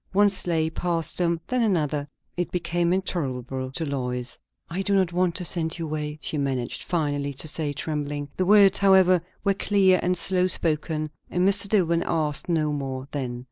One sleigh passed them, then another. It became intolerable to Lois. "I do not want to send you away," she managed finally to say, trembling. The words, however, were clear and slow spoken, and Mr. Dillwyn asked no more then.